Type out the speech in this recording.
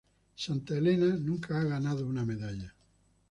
Santa Elena nunca ha ganado una medalla.